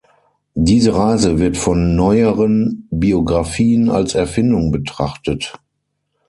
Diese Reise wird von neueren Biographien als Erfindung betrachtet.